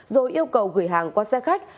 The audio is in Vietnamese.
rồi yêu cầu gửi hàng qua xe khách